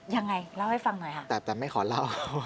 ยังไงเล่าให้ฟังหน่อยค่ะแต่ไม่ขอเล่า